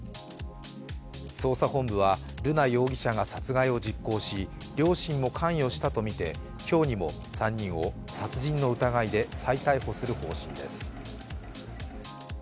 捜査本部は瑠奈容疑者が殺害を実行し両親も関与したとみて今日にも３人を殺人の疑いで再逮捕する方針です。